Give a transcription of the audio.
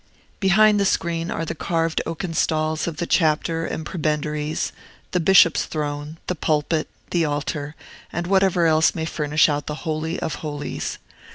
Behind the screen are the carved oaken stalls of the Chapter and Prebendaries, the Bishop's throne, the pulpit, the altar, and whatever else may furnish out the Holy of Holies.